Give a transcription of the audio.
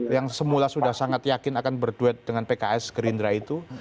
yang semula sudah sangat yakin akan berduet dengan pks gerindra itu